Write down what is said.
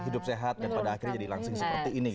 hidup sehat dan pada akhirnya jadi langsung seperti ini